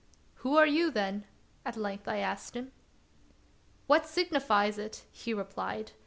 " Who are you, then ?" at length I asked him. "What signifies it.f^" he replied.